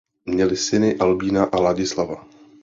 Měli syny Albína a Ladislava.